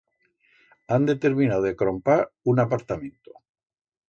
Han determinau de crompar un apartamento